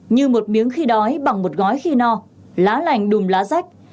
như một miếng khi đói bằng một gói khi no lá lành đùm lá rách